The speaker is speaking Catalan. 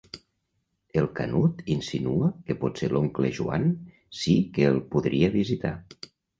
El Canut insinua que potser l'oncle Joan sí que el podria visitar.